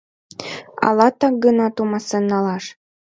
Ала так гына тумасен налаш?